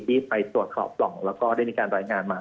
ที่ไปตรวจสอบปล่องแล้วก็ได้มีการรายงานมา